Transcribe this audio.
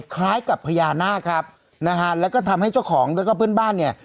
คล้ายกับพญานาคครับนะฮะแล้วก็ทำให้เจ้าของแล้วก็เพื่อนบ้านเนี่ย